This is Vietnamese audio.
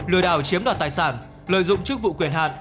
lừa đảo chiếm đoạt tài sản lợi dụng chức vụ quyền hạn